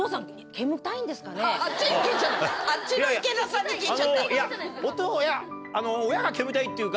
あっちの池田さんに聞いちゃった。と思いますよ。